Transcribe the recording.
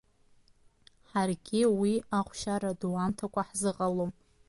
Ҳаргьы уи ахәшьара ду аҳамҭакәа ҳзыҟалом.